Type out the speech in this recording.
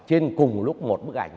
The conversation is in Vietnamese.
trên cùng lúc một bức ảnh